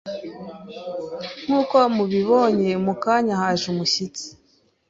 Nk’uko muionye mu kanya haje umushyitsi